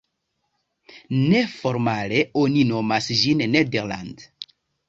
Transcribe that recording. Neformale oni nomas ĝin "Nederland.